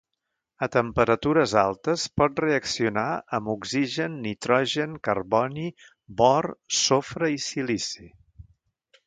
A temperatures altes pot reaccionar amb oxigen, nitrogen, carboni, bor, sofre i silici.